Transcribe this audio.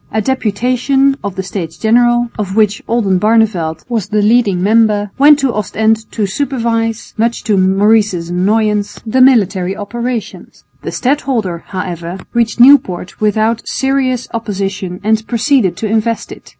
A deputation of the States General, of which Oldenbarneveldt was the leading member, went to Ostend to supervise, much to Maurice's annoyance, the military operations. The stadholder, however, reached Nieuport without serious opposition and proceeded to invest it.